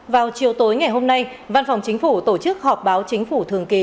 vào chiều tối ngày hôm nay văn phòng chính phủ tổ chức họp báo chính phủ thường kỳ